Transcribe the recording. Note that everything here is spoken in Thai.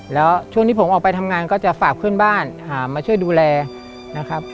แล้วช่วงที่ผมออกไปทำงานก็จะฝากเพื่อนบ้านมาช่วยดูแลนะครับ